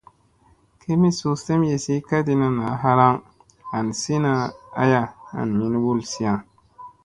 Kemii suu semyesi kadina naa halaŋ hansina aya an min wulsia.